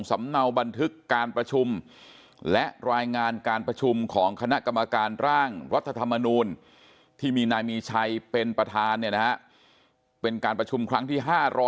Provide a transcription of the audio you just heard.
ถามว่าทำไมต้องให้ส่งบันทึกและรายงานการประชุมครั้งที่๕๐๑